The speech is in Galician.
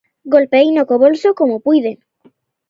Golpeeino co bolso como puiden.